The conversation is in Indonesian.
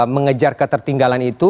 mengejar ketertinggalan itu